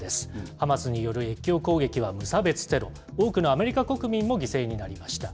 ハマスによる越境攻撃は無差別テロ、多くのアメリカ国民も犠牲になりました。